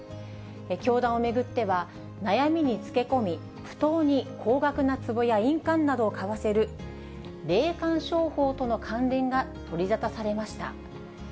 教団を巡っては、悩みに漬け込み、不当に高額なつぼや印鑑などを買わせる霊感商法との関連が取り沙汰されました。